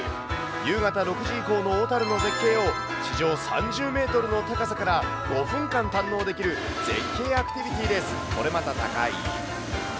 夕方６時以降の小樽の絶景を、地上３０メートルの高さから、５分間堪能できる絶景アクティビティーです。